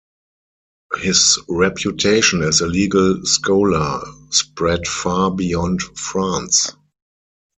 His reputation as a legal scholar spread far beyond France.